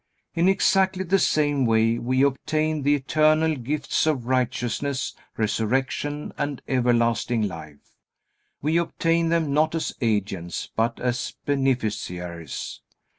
In exactly the same way we obtain the eternal gifts of righteousness, resurrection, and everlasting life. We obtain them not as agents, but as beneficiaries.